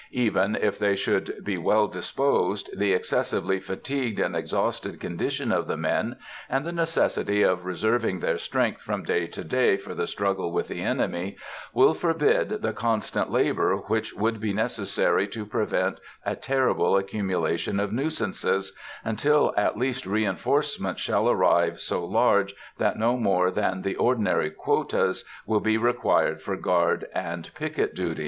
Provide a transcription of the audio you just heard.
Even if they should be well disposed, the excessively fatigued and exhausted condition of the men, and the necessity of reserving their strength from day to day for the struggle with the enemy, will forbid the constant labor which would be necessary to prevent a terrible accumulation of nuisances, until at least reinforcements shall arrive so large that no more than the ordinary quotas will be required for guard and picket duty.